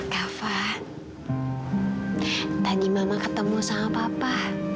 kafan tadi mama ketemu sama papa